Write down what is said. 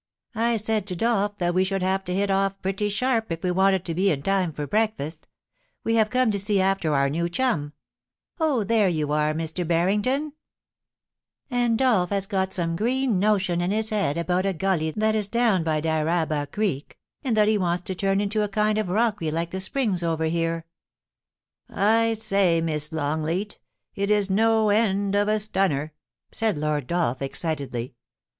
I said to Dolph that we should have to hit off pretty sharp if we wanted to be in time for break fast We have come to see after our new chum — oh, there you are, Mr. Barrington ! And Dolph has got some green 172 POLICY AND PASSION, notion in his head about a gully that is down by Dyraaba Creek, and that he wants to turn into a kind of rockery like the Springs over here.' * I say, Miss Longleat, it is no end of a stunner !' said Lord Dolph, excitedly.